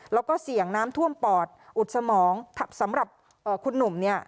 แล้วก็เสี่ยงน้ำท่วมปอดอุดสมองสำหรับคุณหนุ่มเนี่ย